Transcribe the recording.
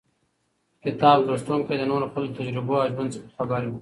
کتاب لوستونکی د نورو خلکو له تجربو او ژوند څخه خبروي.